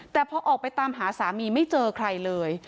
แต่พอออกไปตามหาสามีไม่เจอใครเลย